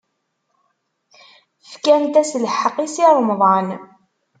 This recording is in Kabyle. Fkant-as lḥeqq i Si Remḍan.